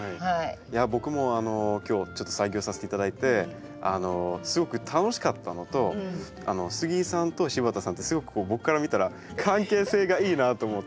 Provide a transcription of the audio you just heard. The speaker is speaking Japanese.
僕も今日ちょっと作業させていただいてすごく楽しかったのと杉井さんと柴田さんってすごく僕から見たら関係性がいいなと思って。